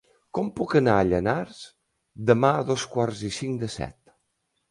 Com puc anar a Llanars demà a dos quarts i cinc de set?